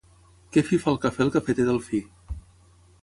Que fi fa el cafè el cafeter Delfí